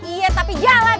iya tapi jalan